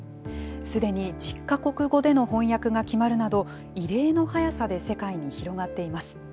すでに１０か国語での翻訳が決まるなど異例の早さで世界に広がっています。